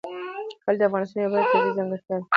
کلي د افغانستان یوه بله طبیعي ځانګړتیا ده.